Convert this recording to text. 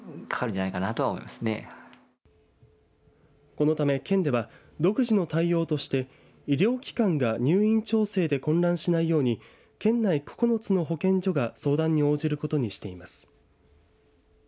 このため県では独自の対応として医療機関が入院調整で混乱しないように県内９つの保健所が相談に応じることにしています。